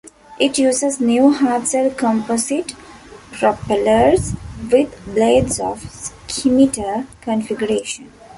It uses new Hartzell composite propellers, with blades of scimitar configuration.